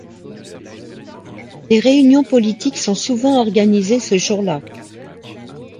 Des réunions politiques sont souvent organisées ce jour-là.